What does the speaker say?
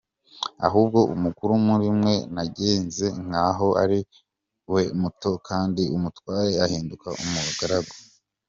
Ahubwo umukuru muri mwe nagenze nk’aho ari we muto, kandi umutware ahinduke umugaragu ».